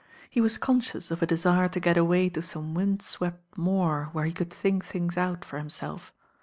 He was conscious of a desire to get away to some wind swept moor where he could think things out for himself.